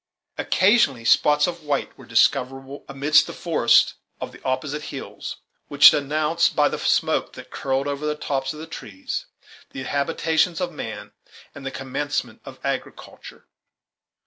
Occasionally spots of white were discoverable amidst the forests of the opposite hills, which announced, by the smoke that curled over the tops of the trees, the habitations of man and the commencement of agriculture.